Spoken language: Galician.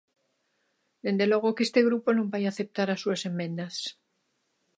Dende logo que este grupo non vai aceptar as súas emendas.